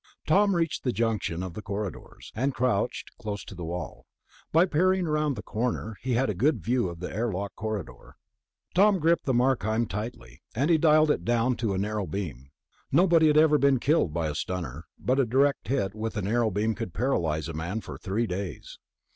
Tom reached the junction of the corridors, and crouched close to the wall. By peering around the corner, he had a good view of the airlock corridor. Tom gripped the Markheim tightly, and he dialed it down to a narrow beam. Nobody had ever been killed by a stunner ... but a direct hit with a narrow beam could paralyze a man for three days.